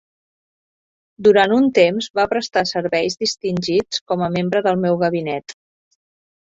Durant un temps va prestar serveis distingits com a membre del meu gabinet.